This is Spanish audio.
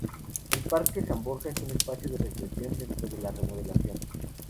El parque San Borja es un espacio de recreación dentro de la Remodelación.